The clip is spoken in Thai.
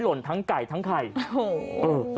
เฮ้ยมันไก่ตอนไหน